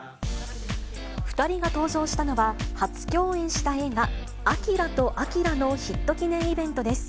２人が登場したのは、初共演した映画、アキラとあきらのヒット記念イベントです。